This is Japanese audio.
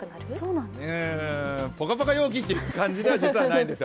ポカポカ陽気という感じでは実はないんですよ。